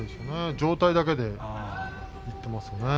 上体だけでいっていますね。